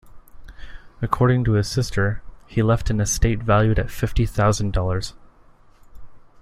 According to his sister, he left an estate valued at fifty thousand dollars.